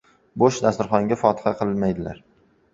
• Bo‘sh dasturxonga fotiha qilmaydilar.